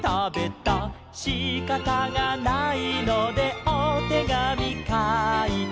「しかたがないのでおてがみかいた」